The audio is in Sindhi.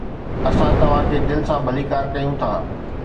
اسان توهان کي دل سان ڀليڪار ڪيون ٿا.